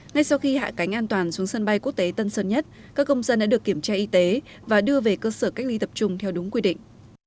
ngay sau khi hạ cánh an toàn xuống sân bay quốc tế tân sơn nhất các công dân đã được kiểm tra y tế và đưa về cơ sở cách ly tập trung theo đúng quy định